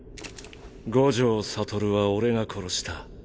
五条悟は俺が殺した。